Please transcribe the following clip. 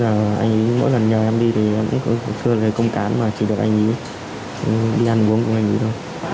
thế nên là từ trước đến giờ anh ấy mỗi lần nhờ em đi thì cũng có sự công tán mà chỉ được anh ấy đi ăn uống cùng anh ấy thôi